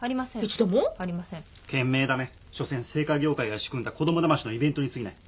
しょせん製菓業界が仕組んだ子供だましのイベントにすぎない。